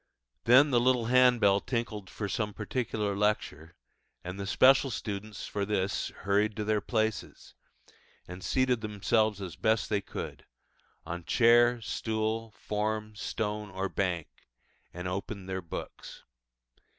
Then the little handbell tinkled for some particular lecture, and the special students for this hurried to their places, and seated themselves as best they could on chair, stool, form, stone, or bank, and opened their books.